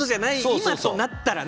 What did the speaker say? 今となったらね。